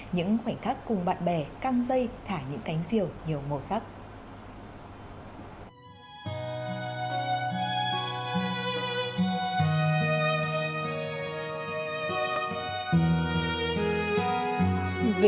những khoảnh khắc cùng bạn bè căng dây thả những cánh diều nhiều màu sắc